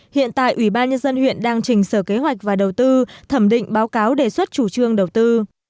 hiện tại ủy ban nhân dân huyện đang trình sở kế hoạch và đầu tư thẩm định báo cáo đề xuất chủ trương đầu tư